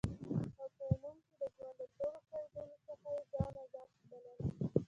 او په عموم کی د ژوند د ټولو قیدونو څخه یی ځان آزاد بلل،